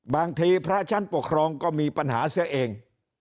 บางทีพระชั้นปกครองก็มีปัญหาเสื้อเอง